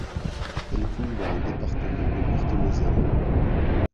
Elle coule dans le département de Meurthe-et-Moselle.